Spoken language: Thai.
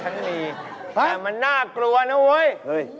น่ากลัวนะโอ๊ยเฮ้ย